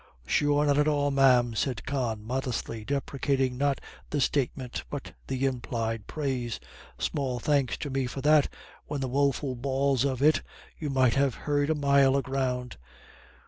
"Sure not at all, ma'am," said Con, modestly, deprecating not the statement but the implied praise. "Small thanks to me for that, when the woful bawls of it you might have heard a mile o' ground.